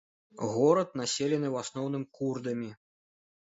Горад населены ў асноўным курдамі.